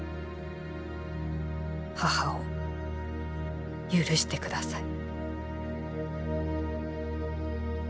母を許してください」。